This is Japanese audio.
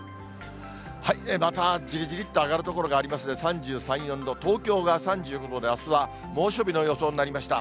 またじりじりっと上がる所がありまして、３３、４度、東京が３５度で、あすは猛暑日の予想になりました。